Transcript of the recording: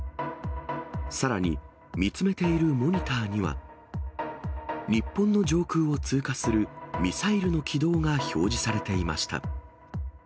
さらに、見つめているモニターには、日本の上空を通過するミサイルの軌道が表示されていました。